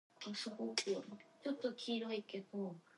Dodo's personality was an unsophisticated, bright and happy one.